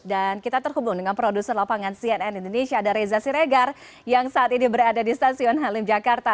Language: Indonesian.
dan kita terhubung dengan produser lapangan cnn indonesia ada reza siregar yang saat ini berada di stasiun halim jakarta